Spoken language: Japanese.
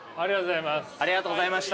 ありがとうございます。